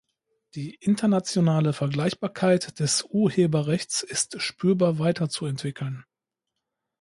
Die internationale Vergleichbarkeit des Urheberrechts ist spürbar weiterzuentwickeln.